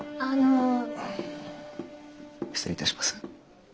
失礼いたします。